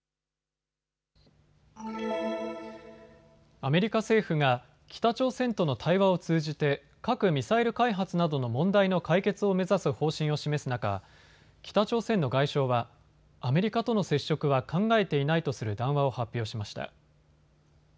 アメリカ政府が北朝鮮との対話を通じて核・ミサイル開発などの問題の解決を目指す方針を示す中、北朝鮮の外相はアメリカとの接触は考えていないとする談話を発表しました。